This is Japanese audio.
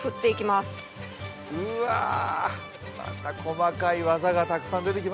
また細かい技がたくさん出てきますよ。